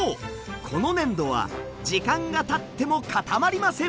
この粘土は時間がたっても固まりません。